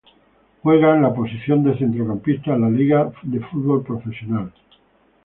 Juega en la posición de centrocampista, en la Liga de Fútbol Profesional.